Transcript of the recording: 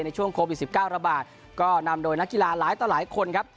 ในช่วงโควิด๑๙ระบาดก็นำโดยนักกีฬาหลายต่อหลายคนครับ